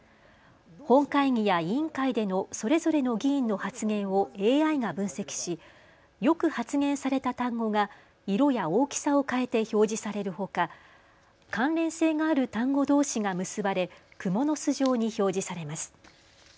本会議や委員会でのそれぞれの議員の発言をＡＩが分析しよく発言された単語が色や大きさを変えて表示されるほか関連性がある単語どうしが結ばれくもの巣状に表示されます。